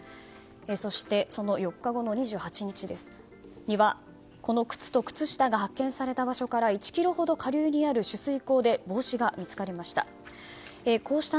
そして、その４日後の２８日にはこの靴と靴下が見つかった場所から１ｋｍほど下流にある取水口で帽子が見つかりました。